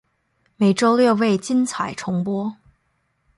每周六为精彩重播。